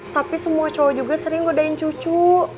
tapi semua cowok juga sering godain cucu